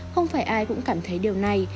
không phải ai cũng cảm thấy điều này